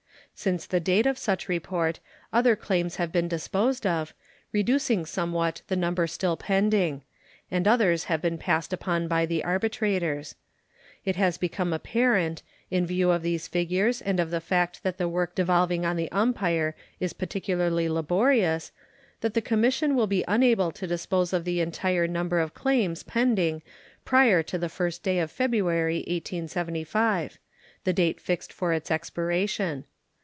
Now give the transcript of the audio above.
Since the date of such report other claims have been disposed of, reducing somewhat the number still pending; and others have been passed upon by the arbitrators. It has become apparent, in view of these figures and of the fact that the work devolving on the umpire is particularly laborious, that the commission will be unable to dispose of the entire number of claims pending prior to the 1st day of February, 1875 the date fixed for its expiration.